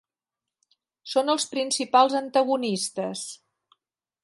Són els principals antagonistes.